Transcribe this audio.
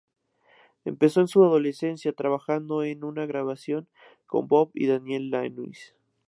Empezó en su adolescencia trabajando en una grabación con Bob y Daniel Lanois.